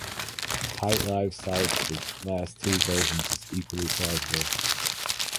Tite-Live cites the last two versions as equally plausible.